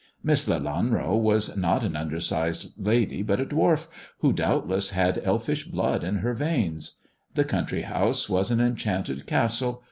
Miss Lelanro was not an undersized lady, but a dwarf who doubtless had elfish blood in her veins ; the country house was an enchanted castle.